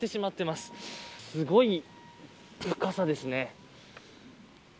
すごい深さですね。